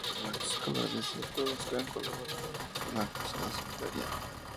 Don Francisco agradece a todos los que han colaborado en la cruzada solidaria.